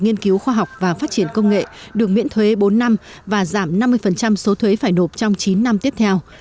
nghiên cứu khoa học và phát triển công nghệ được miễn thuế bốn năm và giảm năm mươi số thuế phải nộp trong chín năm tiếp theo